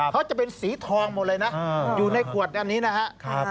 เขาจะเป็นสีทองหมดเลยนะอยู่ในขวดอันนี้นะครับ